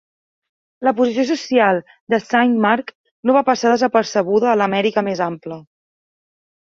La posició social de Saint Mark no va passar desapercebuda a l'Amèrica més ampla.